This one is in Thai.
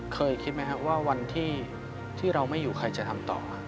เคยคิดไหมครับว่าวันที่เราไม่อยู่ใครจะทำต่อมา